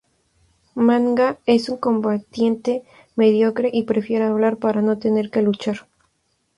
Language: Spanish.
Manga es un combatiente mediocre y prefiere hablar para no tener que luchar.